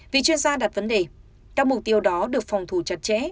vì chuyên gia đặt vấn đề các mục tiêu đó được phòng thủ chặt chẽ